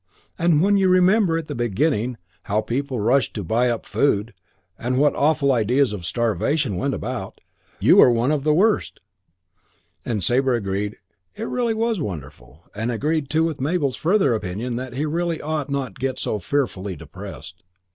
And when you remember at the beginning how people rushed to buy up food and what awful ideas of starvation went about; you were one of the worst." And Sabre agreed that it really was wonderful: and agreed too with Mabel's further opinion that he really ought not to get so fearfully depressed.